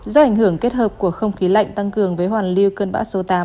do ảnh hưởng kết hợp của không khí lạnh tăng cường với hoàn lưu cơn bão số tám